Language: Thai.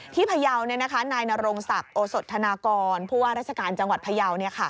ที่พยาวน์นายนโรงศักดิ์โอศทนากรผู้ว่ารัฐกาลจังหวัดพยาวน์